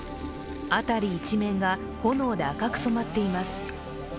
辺り一面が炎で赤く染まっています。